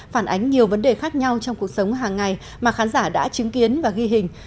phản ánh nhiều vấn đề khác nhau trong cuộc sống hàng ngày mà khán giả đã chứng kiến và ghi hình